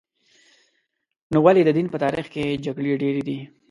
نو ولې د دین په تاریخ کې جګړې ډېرې دي؟